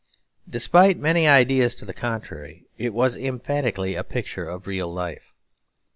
Despite many ideas to the contrary, it was emphatically a picture of real life.